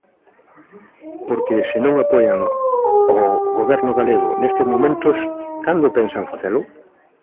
Porque, se non apoian o Goberno galego nestes momentos, ¿cando pensan facelo?